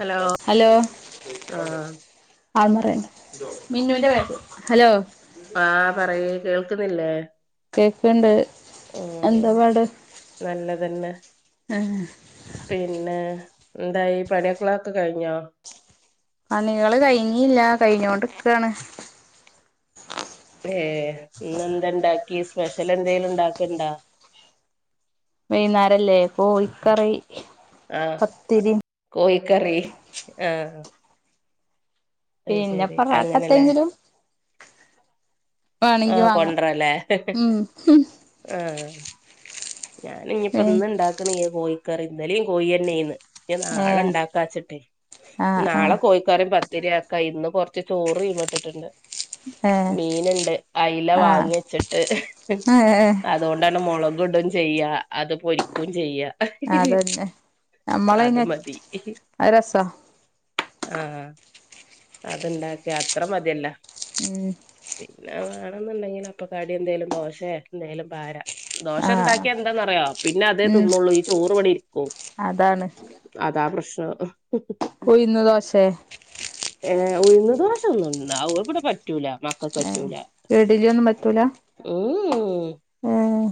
Hello hello ആഹ് ആൾ മറണ്ട ഹലോ ആഹ് പറയ് കേൾക്കുന്നില്ലേ കേക്കണ്ട് എന്താ ഉം പാട് നല്ലതന്നെ ആഹ് പിന്നെ എന്തായി പണി ആക്ളൊക്കെ കഴിഞ്ഞോ പണികള് കഴിഞ്ഞില്ല കഴിഞ്ഞോണ്ടിക്കാണ് ഏഹ് ഇന്നെന്ത ഇണ്ടാക്കി സ്പെഷ്യൽ എന്തെലും ഉണ്ടാക്കണ്ടാ വൈന്നേരംല്ലേ കോഴിക്കറി പത്തിരി കറി ആഹ് അയ് പിന്നെ ശരി പൊറാട്ട അങ്ങനെല്ലേ എത്തെങ്കിലും വാണെങ്കി ആഹ് വാങ്ങാം കൊണ്ടറല്ലേ ഉം ആഹ് ഞാൻ ഇനിയിപ്പോ ഏഹ് ഇന്ന് ഇണ്ടാക്കണില്ല കോഴിക്കറി ഇന്നലും കോഴിന്നെയാന്ന് നാളെ ഉണ്ടാക്കാച്ചിട്ടെ ആഹ് നാളെ ആഹ് കോഴിക്കറി പത് ഇത്തിരിയാക്ക ഇന്ന് കൊറച്ച് ചോറ് തീമട്ടിട്ടുണ്ട് ഏഹ് [unintelligible] മീൻ ഉണ്ട് അയല വാങ്ങി വച്ചിട്ട് ആഹ് ഏഹ് അതുകൊണ്ടന്ന മുളക് ഇടും ചെയ്യാ അത് പൊരിക്കയും ചെയ്യാ അതന്നെ അത് നമ്മളയ്ന് മതി അത് രസാ ആ അതുണ്ടാക്കിയ അത്ര മതിയല്ല ഉം പിന്നെ ണ്ടെങ്കിൽ അപ്പൊ കടി എന്തേലും ദോശയ എന്തേലും ഭാര ദോശ ആഹ് ഉണ്ടാക്കി എന്താന്നറിയ പിന്നെ അതേ ഉം തിന്നുള്ളൂ ഈ ചോറ് ഇവിടെ ഇരിക്കും അതാണ് അതാ പ്രശ് അ ഉഴുന്ന് ദോസെ ഏ ഉഴന്ന് ദോശ ഒന്നും ഇ ഇവിടെ പറ്റൂല മക്കൾക്ക് ഏഹ് പറ്റൂലാ ഇഡ്ലിയൊന്നും പറ്റൂല ഉം ഏഹ്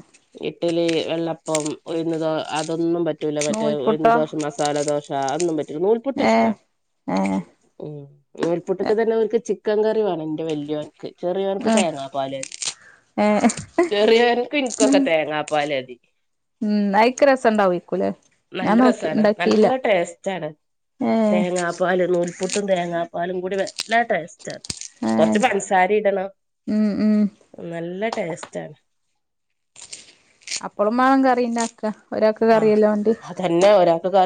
ഇഡ്ലി, വെള്ളപ്പം ഉഴുന്ന് ദോ അതൊന്നും പറ്റ പറ്റൂല മറ്റേ ഒന്ന് നൂൽപുട്ടോ ഉഴുന്ന്ദോശ മസാലദോശ അതൊന്നും പറ്റ നൂൽ പുട്ട് ഏഹ് ഇഷ്ടമ് ഏഹ് നൂൽ പുട്ടിന് തന്നെഇവർക്ക് ചിക്കൻ കറി വേണം എന്റെ വലിയന് ചെറിയനക്ക് ഏഹ് തേങ്ങാ പാല് ഏഹ് ചെറിയന് ക്ക് കുക്കൊക്ക തേങ്ങാ പാല് ഉം അയിക്ക് രസണ്ടാവേക്കുലേ ഞാൻ നല്ല നോക്കി രസമാണ് ഇണ്ടാക്കിയില്ല നല്ല ടേസ്റ്റ് ആണ് ഏഹ് തേങ്ങാപ്പാലും നൂൽപുട്ടും തേങ്ങാപ്പാലും കൂടി നല്ല ടേസ്റ്റാണ് ഏഹ് കൊറച്ച് പഞ്ചസാര ഇടണം ഉം ഉം നല്ല ടേസ്റ്റ് ആണ് അപ്പളും വേണം കറി ഉണ്ടാക്ക ഒരാൾക്ക് കറിയില്ലണ്ട്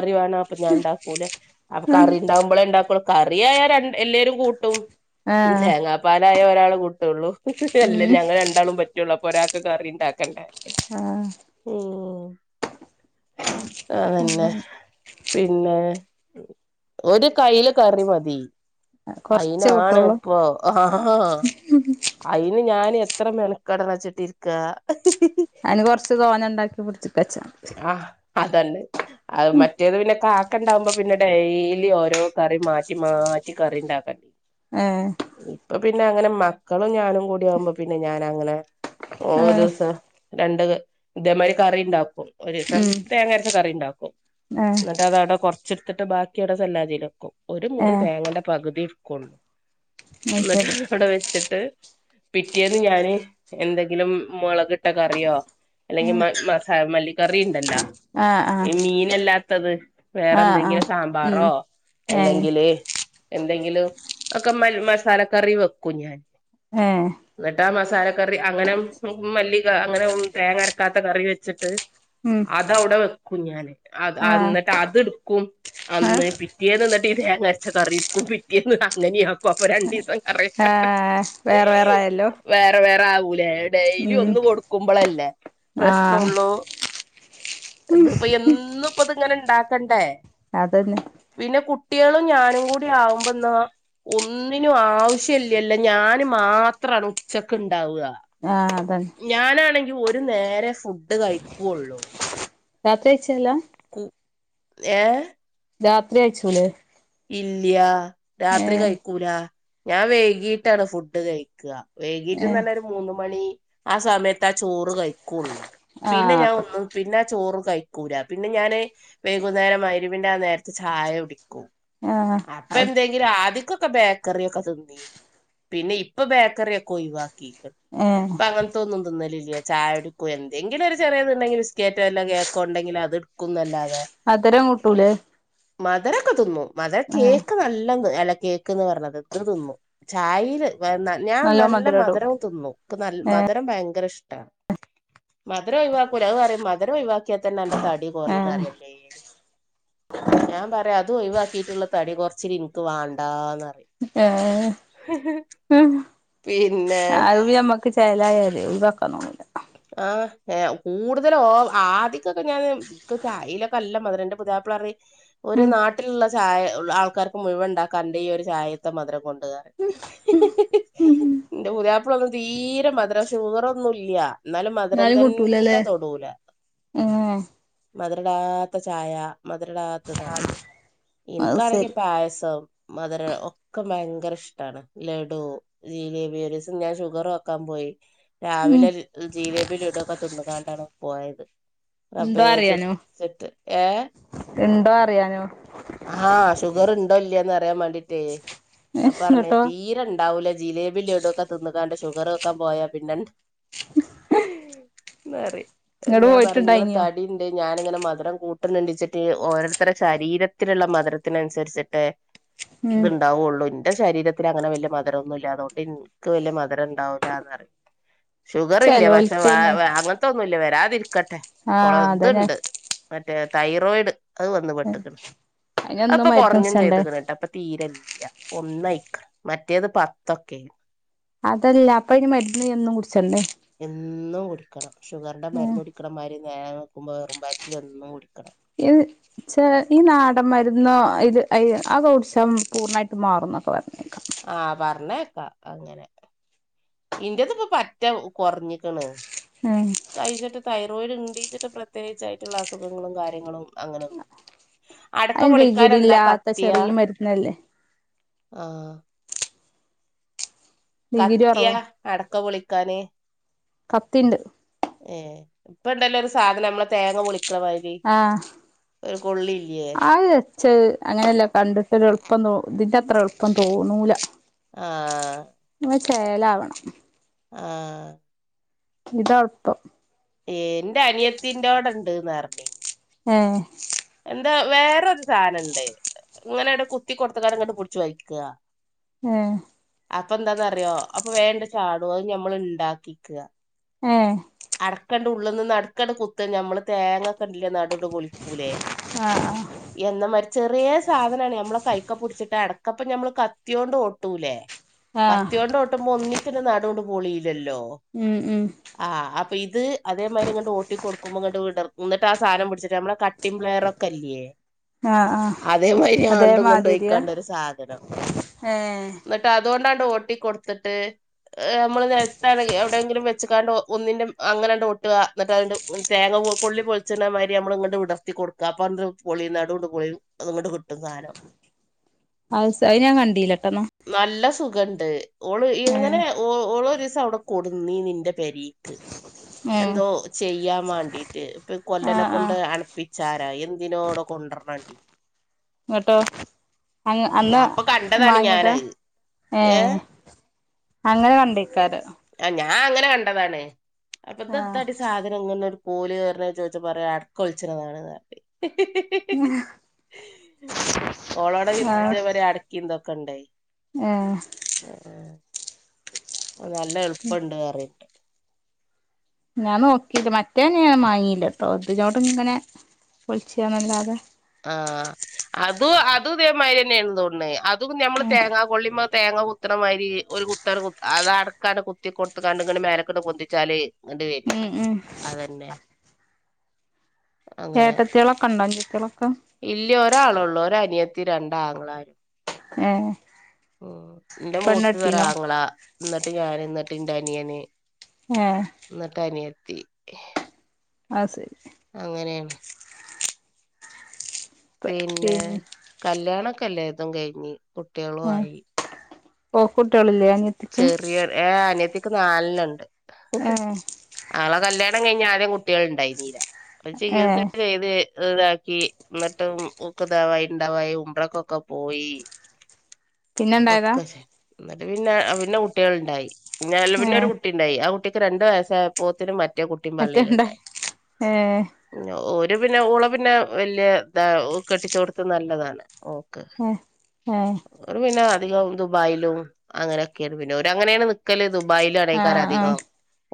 റി വേണം അപ്പൊ ഞാൻ ഉണ്ടാക്കൂലാഅപ്പൊ കറി ഉണ്ടാവുമ്പോളേ ഉണ്ടാക്കൂ കറി ആയ എല്ലാവരും കൂട്ടും ആഹ് തേങ്ങാപ്പാലായ ഒരാൾ കൂട്ടുള്ളൂ അല്ലേ ഉം ഞങ്ങൾ രണ്ടാളും പറ്റുള്ളൂ അപ്പൊ ഒരാ ക്കെ കറി ഉണ്ടാക്കണ്ടേ ആ അതന്നെ അങ്ങനെ പിന്നെ ഒരു കൈയ്യില് കറി മതി കൊറച്ചേ അയിനാണ് കൂട്ടൊള്ളൂ ഇപ്പോ ആ അയിന് ഞാന് എത്ര മെനക്കട വെച്ചിട്ടിക്ക അയിന് കൊറച്ച് തോന്ന ഉണ്ടാക്കി പിടിച്ചപ്പച്ചാ തല്ലേ അത് മറ്റേത് പിന്നെ കാക്ക ഉണ്ടാവുമ്പോ പിന്നെ ഡെയിലി ഓരോ കറി മാറ്റി മാറ്റി കറി ഉണ്ടാക്കണ്ട ഏ പിന്നെ അങ്ങനെ മക്കളും ഞാനും കൂടി ആകുമ്പോ പിന്നെ ഞാന അങ്ങനെ ഒരു ഏഹ് ദിവസ രണ്ട് ഇതേമാതിരി കറി ഉണ്ടാക്കും ഒരീസം ഉം തേങ്ങരച്ച കറി ഉണ്ടാക്കും ഏഹ് എന്നിട്ട് അതവിടെ കൊറച്ചെടുത്തിട്ട് ബാക്കിയവിടെല്ലാതിക്കും ഒരു മുറി ഏഹ് തേങ്ങന്റെ പകുതി ക്കുള്ളൂഎന്നിട്ട് അയ്ശരി അവിടെ വെച്ചിട്ട് പിറ്റേന്ന് ഞാന് എന്തെങ്കിലും മുളകിട്ട കറിയോ അല്ലെങ്കി ആഹ് മ മസാല മല്ലിക്കറി ഉണ്ടല്ലോ ആഹ് ആഹ് ഈ മീനല്ലാത്തത് വേറെ ആഹ് എന്തെങ്കിലും ആഹ് ഉം സാമ്പാറോ ഏഹ് അല്ലെങ്കില് എന്തെങ്കിലും ഒക്കെ മസാലക്കറി വെക്കും ഞാൻ ഏഹ് എന്നിട്ട് മസാലക്കറി അങ്ങനെ മല്ലി അങ്ങനെ തേങ്ങരക്കാത്ത കറി വെച്ചിട്ട് ഉം അതവിടെ വെക്കും ഞാന് അത് ആഹ് എന്നിട്ട് അതെടുക്കും അന്ന് ആഹ് പിറ്റേന്ന് എന്നിട്ട് തേങ്ങ അരച്ച കറി എടുക്കും പിറ്റേന്ന് അങ്ങനെയ ആക്കും അപ്പൊ രണ്ടിസം ആ വേറെ വേറെയായല്ലോ വേറെ വേറെ ആവൂലേ ഡെയിലി ഒന്ന് കൊടുക്കുമ്പോളല്ലേ ആഹ് പ്രശ്നള്ളൂ ഇത്പ്പ എന്നും ഇപ്പ അത് ഇങ്ങനെ ഉണ്ടാക്കണ്ടേ അതന്നെ കുട്ട്യാളും ഞാനും കൂടി ആകുമ്പോന്ന് ഒന്നിനും ആവശ്യല്ലല്ലോ ഞാൻ മാത്രമാണ് ഉച്ചക്ക് ഉണ്ടാവുക ആഹ് അതന്നെ ഞാനാണെങ്കി ഒരു നേരെ ഫുഡ് കഴിക്കുള്ളൂ രാത്രി കയിച്ചല്ലാ ഏ രാത്രി അയച്ചൂലെ ഇല്ല്യ രാത്രി കഴിക്കൂല ഞാൻ വേകിട്ടാണ് ഫുഡ് കഴിക്കുക വൈകീട്ട് ഏഹ് തന്നെ ഒരു മൂന്ന മണി ആ സമയത്ത് ആ ചോറ് കഴിക്കുള്ളു പിന്നെ ആഹ് ഞാൻ അപ്പൊ ഒന്നും പിന്നെ ചോറ് കഴിക്കൂല പിന്നെ ഞാന് വൈകുന്നേരം മൈരവിന്റെ ആ നേരത്തെ ചായ കുടിക്കും ആഹ് അപ്പ അത് എന്തെങ്കിലും ആധിക് ബേക്കറൊക്കെ തിന്നു പിന്നെ ഇപ്പ ബേക്കറൊക്കെ ഒഴിവാക്കി ഏഹ് അപ്പ അങ്ങനത്തെ ഒന്നും തിന്നലില്ല ചായ എടുക്കും എന്തെങ്കിലും ഒരു ചെറിയത്തുണ്ടെങ്കിൽ ബിസ്ക്കറ്റോ എല്ലോ കേക്കോണ്ടങ്കിലും അത് എടുക്കുന്നല്ലാതെ മ തരം കൂട്ടൂലേ മധരൊക്കെ തിന്നു മധുര ഏഹ് കേക്ക നല്ല തി കേക്ക്ന്ന് പറഞ്ഞത് എന്ത് തിന്നും ചായന്റെ വ ഞാൻ നല്ലോ നല്ല മധുരടും മധരം തിന്നു ഇപ്പ മധുരം ഭയങ്കര ഇഷ്ടമാണ് മധുര ഒഴിവാക്കൂല്ല അത് അറിയ മധുര ഒഴവാക്കിയാ തന്നെ എന്റെ തടി ഏഹ് കുറുന്നറിയല്ലേ ഞാൻ പറയാ അതും ഒഴിവാക്കിട്ടുള്ള തടി കൊറച്ച ഇനിക്ക് വേണ്ടാന്നറിയാം ആഹ ഹ ഹ പി ആ അത് ഞമ്മക്ക് ചെലായാലേ വെക്കൊതോ [unintelligible] ആ ഏ കൂടുതല ഓ ആദ്യക്കൊക്കെ ഞാൻ ചായലൊക്കെ അല്ല മധുരന്റെ പുര്യപ്പിള പറ ഒരു ഉം നാട്ടിലുള്ള ചായ ആൾക്കാർക്ക് മുഴുവൻണ്ടാക്കാ എന്റെ ഈ ഒരു ചായത്തെ മധുരം കൊണ്ട എന്റെ പുതിയാപ്പളൊന്നും തീരെ മധുര ശുകറൊന്നുംല്ലാ എന്നാലും മധുരം തന്നെ തൊടൂല ഏഹ് മധുര ഇടാത്ത ചായ മധുര ഇടാത്തതാണ് ഇൻ അത് ക്കാണെങ്കിൽ സരി പായസം മധുരം ഒക്കെ ഭയങ്കര ഇഷ്ടമാണ് ലഡു ജിലേബി ഒരു ദിവസം ഞാൻ ഷുഗറോ ക്കാൻ പോയി ഉം രാവിലെ ജിലേബി ലഡു ഇടൊക്കെ തിന്നുകാണ്ടാണ് പോയത് റബേ ഇണ്ടോ അറിയാനോ ചിർച്ചിട് ഏ ഇണ്ടോ അറിയാനോ ആഹ ശുഗർണ്ടോല്യേന്നർ ര്യാൻ വേണ്ടിട്ടേ അപ്പ പറഞ്ഞ ഇങ്ങട്ടോ തീര ഉണ്ടാവൂല ജിലേബിടൊക്കെ തിന്ന അതാണ്ട് ഷുഗറോക്കാൻ പോയാ പിന്നെ എന്നാറി ഇങ്ങട് ഞാൻ പറയും ഇങ്ങളെ പോയിട്ടുണ്ടായിനോ തടിണ്ട് ഞാനിങ്ങനെ മധരം കൂട്ടുന്നുണ്ടച്ചിട്ട് ഓരോരുത്തരുടെ ശരീരത്തിലുള്ള മധുരത്തിനുസരിച്ചിട്ട് ഉം ഇത്ണ്ടാവുള്ളൂ എന്റെ ശരീരത്തിൽ അങ്ങനെ വലിയ മധുരൊന്നും ഇല്ല അതുകൊണ്ട് എനിക്ക് വലിയ മധുര ഉണ്ടാവില്ലന്ന്റ ഷുഗർ ഇല്ലേ പക്ഷെവേ ചെലോൽക്കയ്ന് വേ അങ്ങനത്തെ ഒന്നുംല്ല വരാ ക്കട്ടെ ആഹ് അതാ ഞാൻ കുളത്ണ്ട് മറ്റേ തൈറോയിഡ് അത് വന്ന് പെട്ടക്കണ് അ അയ്നെന്നും അപ്പൊ മരുന്ന് കുറഞ്ഞും കുടിച്ചണ്ടേ ചെയ്തുക്കണ കേട്ടോ അപ്പൊ തീരെ ഒന്നായിക്ക മറ്റേത് പത്തൊക്കെ അതല്ല അപ്പൊ ഇനി മരുന്ന് എന്നും കുടിച്ചണ്ടേ എന്നും കുടിക്കണം ഷുഗറിന്റെ ആഹ് മരുന്ന് കുടിക്കണമാരി ഞാൻ നോക്കുമ്പോ വെറും വയറ്റിലെന്നും കുടുിക്കണം ഈ ചെ ഈ നാടൻ മരുന്ന് ഇത് ആ കൊ കുടിച്ച പൂർണ്ണമായിട്ട് മാറും ഒക്കെ പറഞ്ഞേക്ക ആഹ പറഞ്ഞേക്കാ അങ്ങനെ ഇന്റെത് ഇപ്പൊ പറ്റാ കൊറഞ്ഞിക്കണ് ഉം തൈറോയിഡ് ഉണ്ടച്ചിട്ട് പ്രത്യേകിച്ചായിട്ടുള്ള അസുഖങ്ങളും കാര്യങ്ങളും അങ്ങനെയൊന്നുമില്ല അടക്ക അയ്ന് പൊളിക്കൻ ഡിഗ്രി എന്താ ഇല്ലാത്ത കത്തിയ ചെറിയ മരുന്നല്ലേ ആഹ ഡിഗ്രി കത്തിയാ കൊറവാ അടക്കപൊളിക്കാനേ കത്തിണ്ട് ഏ ഇപ്പ ഇണ്ടല്ലോ ഒരു സാധനം നമ്മളെ തേങ്ങ പളിക്കണ മാരി ആ വച്ചത് അങ്ങനെയല്ല കണ്ടിട്ട്രു എളുപ്പം ഇതിന്റെ അത്ര എളുപ്പം തോന്നൂല ആഹ മച്ചേലാവണം ആഹ ഇത അഴപ്പം എൻറെ അനിയത്തിറോടുണ്ട്ന്ന് പറഞ്ഞ ആഹ എന്താ വേറരു സാധനംുണ്ട്േ ഇങ്ങനെ ഇവിട കുത്തി കൊടുത്ത കട് ഇങ്ങോട്ട് പിടിച്ചു വഴിക്കുക ആഹ അപ്പൊ എന്താന്നറിയോ അപ്പൊ വേണ്ട ചാടോ അത് ഞമ്മൾ ഉണ്ടാക്കിക്കുക ആഹ ഉള്ളന്ന് നടുക്കട കുത്ത് മ്മള് തേങ്ങൊക്ക ഇണ്ടില്ലേ നവിട കൊൊിക്കൂലേ ആഹ ചെറിയ സാധനമാണ് നമ്മെ കൈക്ക പിടിച്ചിട്ട് അടക്കപ്പ ഞമ്മള് കത്തിയോണ്ട് ഓട്ടൂലേ ആഹ് കത്തിയ കൊണ്ട് ഓട്ടുമ്പോ ഒന്നിച്ചി് നാട കൊണ്ട് പോളില്ലല്ലോ ഉം ഉം ആ അപ്പൊ ഇത് അേതിരിങ്ങട്ട് ഓട്ടി കൊടുക്ക്പോ ഇോ് വിടന്നി് സധനം പിടിച്ചട്ട് നമ്മുടെ കട്ടിംലെയറെ ല്ലേ ആഹ് ആഹ് അതേമാരി ആണ്ടും അതേമാതിരിയാ കൊണ്ട്പയ്ക്കാണ്ട ഒരു സാധനം ഏഹ് എന്നിട്ട് അതുകൊണ്ടാണ്ട് ഓട്ടി കൊടുത്തിട്ട് നമ്മള്ത്ത എവിടെിലും വെച്ചാണ്ട് ഒന്നിന്റെറെ അങ്ങനെണ്ട് ഒട്ടുക എന്നിട്ട് തേങ്ങ കൊിൊിച്ചിരുന്ന മാതിരി നമ്മൾ ഇങ്ങോട്ട് വിടർത്തി കൊടുക്കാപ്പ പൊളി നടണ്ട് പൊളി അങ്ങട്ട് കിട്ടും സാനം അ അത് ഞാൻ കണ്ടിലട്ടോന്നാ നല്ല സുഖണ്ട് ഓള് എങ്ങനെഓ ഓരോ ദിവസം അവിടെ കൊടുുന്നീ നിന്റെ പരിക്ക് ഏഹ് എന്തോ ചെയ്യാൻ വേണ്ടീട്ട് ഇപ്പൊ കൊല്ലനെ ആഹ് കൊണ്ട് ആഹ് അണപ്പി ചാരാ എന്തിനോട് കൊണ്ടരണണ്ടി കേട്ടോ അങ്ങ് അന്ന് അപ്പൊ കണ്ടതാണ് വാങ്ങിയതാ ഞാനത് ഏ ഏഹ് അങ്ങനെ കണ്ടേക്കാാര് ആഹ അങ്ങനെ കണ്ടതാണ് അപ്പൊ ദത്ത ആഹ് അടി സാധനംങ്ങനെ കൂല കറണ ചോദിച്ച പറയാ അടക്കൊളിച്ചതാണ് നാട്ട ഓളോടെ ഇന്തേവരെ അടക്കി ഇന്തൊക്കെ ഇണ്ടായി ആ നല്ല എളുപ്പംണ്ട് കേയറിയിട്ട് ഞാൻ നോക്കിയില്ല മറ്റേനെയഞൻ വങ്ങീയില്ലട്ടോ അതിനോട ഇങ്ങനെ കൊളിച്ചണല്ലാതെ ആഹ അത് അത് ഇതമാതിരി തന്നെയ ആതൊണ്ട് അതും നഞമ്മള് ഉം തേങ്ങാ കൊള്ളുമ്പോ തേങ്ങാ പുത്തനമാതിരി ഒരു കുത്ത അത അടക്കാണ് കുത്തി കൊടുത്തക്കാണ്ട് ഇങ്ങനെ മേനക്കട്ട കൊൊന്തിച്ചാല് ഇങ്ങ് വരിക ഉം ഉം അതന്നെ ഏട്ടത്തിളൊക്കെ ഉണ്ടോ അഞ്ചത്തിളൊക്കെ ഇല്ലയ ഒരാള ഉള്ളൂ ഒ അനിയത്തി രണ്ടാങ്ങളാരും ഹ ഉ എന്റെ മൂത്ത് തരാ ആങ്ങള എന്നന്നിട്ട് ഞാന് ഇന്നിട്ട് എന്റെ അനിയന് ഏ എന്നിട്ട് അനിയ എത്തി ആഹ ശരി പിന്നെ കല്യാണകഴിഞ്ഞ് കുട്ടികളുമായി. ഓ കുട്ടികളില്ലേ അനിയത്തിക്ക് ചെറിയ ഏ അനിയത്തിക്ക് നാലെണ്ണമുണ്ട് ഏ ആളെ കല്യാ ല്യാണം കഴിഞ്ഞ് ആദ്യം കുട്ടികൾ ഉണ്ടായിന്നീല്ല അവള് ഏ ചികിത്സയൊക്കെ ചെയ്ത് ഇതാക്കി എന്നിട്ടും [unintelligible] ഉണ്ടാവായി ഉമ്പ്രക്കൊക്കെ പോയി പിന്നെ ഉണ്ടായതാ ഒക്കെ ചെയ്ത് എന്നിട്ട് പിന്നെ പിന്നെ കുട്ടികൾ ഉണ്ടായി പിന്നല്ല ഏ പിന്നെ ഒരു കുട്ടി ഉണ്ടായി ആ കുട്ടിക്ക് രണ്ടു വയസായപ്പോത്തേനും മ മറ്റേ കുട്ടിയും മറ്റേ ഇണ്ടായി പള്ളയിലുണ്ടായി ഏ ഓ ളെ പിന്നെ ഓളെ പിന്നെ വല്ല്യ കെട്ടിച്ച് കൊടുത്തത് നല്ലതാണ് ഓക്ക് ഏ ഏ ഓള് പിന്നെ അധികം ദുബായിലും അങ്ങനെ പിന്നെ ഓര് അങ്ങനെയാണ് നിക്കല് ദുബായിലാണ് ആ ആൾക്കാർ ആ അധികം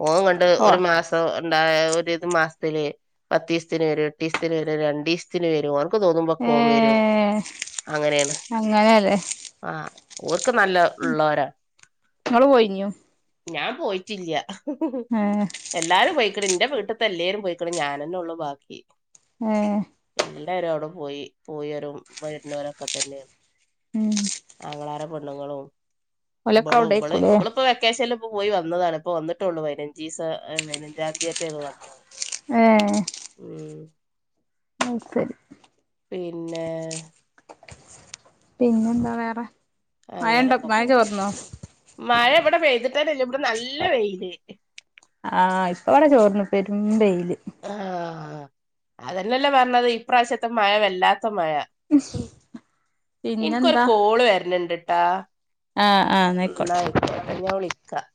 ഓൻ എങ്ങാണ്ട് ഓ ഒരു മാസം ഉണ്ടായ ഒരു ഇത് മാസത്തില് പത്ത് ദിവസത്തിന് വരും എട്ട് ദിവസത്തിന് വരും രണ്ടു ദിവസത്തിന് വരും ഓ ഓനുക്ക് തോന്നുമ്പം ഒക്കെ ഏ ഓൻ വരും അങ്ങനെയാണ് അങ്ങനെയല്ലേ ആ ഓ നുക്ക്‌ നല്ല ഉള്ളവരാ നിങ്ങള് പോയിനിയോ ഞാൻ പോയിട്ടില്ല എല്ലാരും പോയി ക്കണ് എന്റെ വീട്ടിത്തേ എല്ലാരും പോയിക്കണ് ഞാനെന്നേ ഒള്ളു ബാക്കി ആ എല്ലാരും അവിടെ പോയി പോയവരും വരുന്നവരൊക്കെ തന്നെയാണ് ഉം ആങ്ങളമാരും പെണ്ണുങ്ങളും ഓലൊക്കെ ഇവളും ഇവള് അവിടേക്കൂലേ ഇവളിപ്പം വെക്കേഷനില് ഇപ്പോ പോയി വന്നതാണ് ഇപ്പ വന്നിട്ടേയുള്ളൂ പതിനഞ്ച് ദിവസം പതിനഞ്ചാം തീയതിമറ്റോ ഇവൾ വന്നത് ഏ ഉം അത് ശരി പിന്നെ പിന്നെന്താ വേറെ മഴണ്ടോ അങ്ങനൊക്കെ മഴ പോണു ചോർന്നോ മഴ ഇവിടെ പെയ്തി ട്ടില്ല ഇവിടെ നല്ല വെയില് ആ ഇപ്പ ഇവിടെ തോർന്ന് പെരും വെയില് ആ അതന്നല്ലേ പറഞ്ഞത് ഈ പ്രാവശ്യത്തെ മഴ വല്ലാത്ത മഴ എനിക്കൊരു പിന്നെന്താ കോള് വരിണണ്ട് കേട്ടാ ആഹ് ആഹ് ന്നാ എന്നാ ആയിക്കോട്ടെ ഞാൻ വിളിക്കാം